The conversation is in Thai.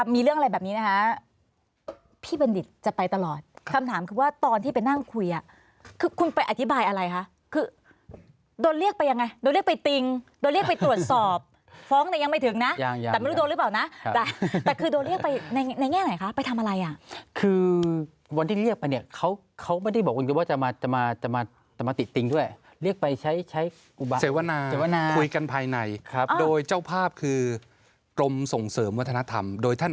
มีเรื่องอะไรแบบนี้นะคะพี่เบนดิตจะไปตลอดคำถามคือว่าตอนที่ไปนั่งคุยคือคุณไปอธิบายอะไรคะคือโดนเรียกไปยังไงโดนเรียกไปติงโดนเรียกไปตรวจสอบฟ้องแต่ยังไม่ถึงนะแต่ไม่รู้โดนหรือเปล่านะแต่คือโดนเรียกไปในแง่ไหนคะไปทำอะไรอ่ะคือวันที่เรียกไปเนี่ยเขาไม่ได้บอกว่าจะมาติดติงด้วยเรียกไปใช้อุบัติเสวนาค